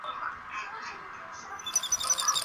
世界图书之都共同评选而出。